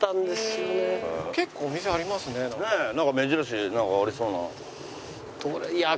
なんか目印なんかありそうな。